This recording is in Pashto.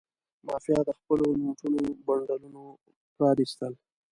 مافیا د خپلو نوټونو بنډلونه پرانستل.